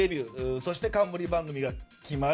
そして、冠番組が決まる。